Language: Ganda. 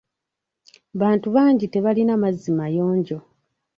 Bantu bangi tebalina mazzi mayonjo.